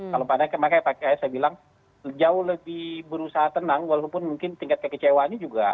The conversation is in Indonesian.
kalau makanya pks saya bilang jauh lebih berusaha tenang walaupun mungkin tingkat kekecewaannya juga